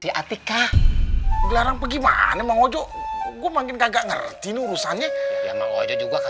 siatika gelarang gimana mau jok gue makin kagak ngerti urusannya